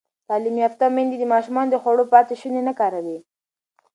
تعلیم یافته میندې د ماشومانو د خوړو پاتې شوني نه کاروي.